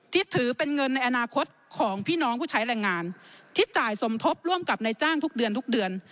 ที่ถือเป็นเงินในอนาคตของพี่น้องผู้ใช้แรงงานที่จ่ายสมทบร่วมกับนายจ้างทุกเดือนทุกเดือน